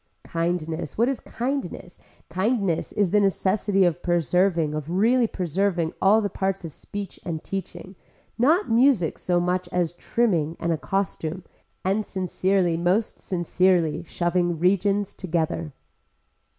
Kindness what is kindness, kindness is the necessity of preserving of really preserving all the parts of speech and teaching, not music so much as trimming and a costume, and sincerely most sincerely shoving regions together.